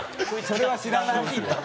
それは知らない。